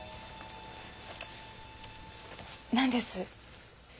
何です？